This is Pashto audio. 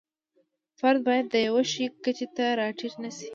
فرد باید د یوه شي کچې ته را ټیټ نشي.